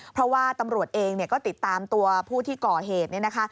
เพราะว่าตำรวจเองเนี่ยก็ติดตามตัวผู้ที่ก่อเหตุเนี่ยนะคะ